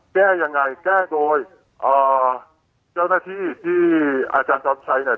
แก้ยังไงแก้โดยเจ้าหน้าที่ที่อาจารย์จอมชัยเนี่ย